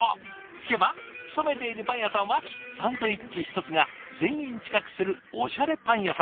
聞けば勤めているパン屋さんはサンドイッチ１つが１，０００円近くするおしゃれパン屋さん。